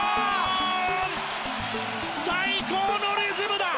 最高のリズムだ！